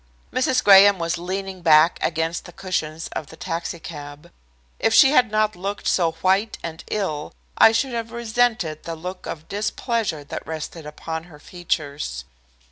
Mrs. Graham was leaning back against the cushions of the taxicab. If she had not looked so white and ill I should have resented the look of displeasure that rested upon her features.